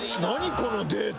このデータ。